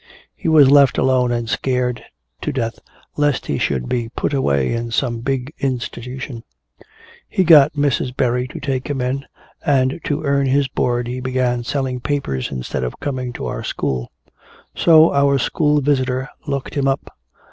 He was left alone and scared to death lest he should be 'put away' in some big institution. He got Mrs. Berry to take him in, and to earn his board he began selling papers instead of coming to our school. So our school visitor looked him up.